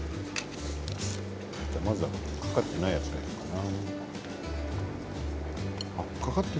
まずはかかっていないやついこうかな。